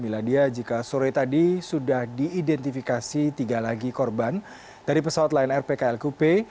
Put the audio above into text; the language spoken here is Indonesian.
miladiyarama jika sore tadi sudah diidentifikasi tiga lagi korban dari pesawat lain rpk lkp